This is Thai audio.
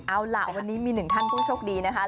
เอาล่ะวันนี้มีหนึ่งท่านผู้โชคดีนะคะ